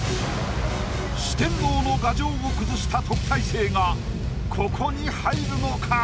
四天王の牙城を崩した特待生がここに入るのか？